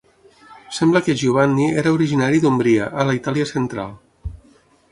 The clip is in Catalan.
Sembla que Giovanni era originari d'Ombria, a la Itàlia central.